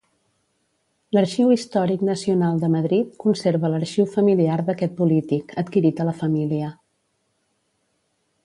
L'Arxiu Històric Nacional de Madrid conserva l'arxiu familiar d'aquest polític, adquirit a la família.